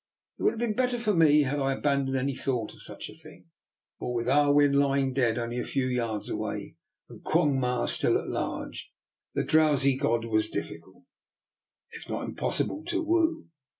It would have been better for me had I abandoned any thought of such a thing, for with Ah Win lying dead only a few yards away and Quong Ma still at large, the drowsy god was difficult, if not impossible, to woo.